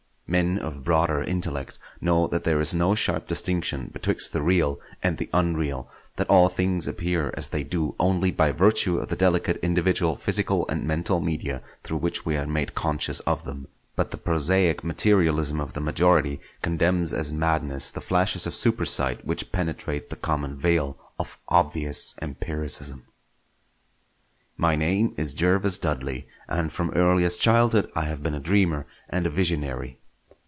Men of broader intellect know that there is no sharp distinction betwixt the real and the unreal; that all things appear as they do only by virtue of the delicate individual physical and mental media through which we are made conscious of them; but the prosaic materialism of the majority condemns as madness the flashes of super sight which penetrate the common veil of obvious empiricism. My name is Jervas Dudley, and from earliest childhood I have been a dreamer and a visionary.